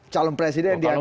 calon presiden di amerika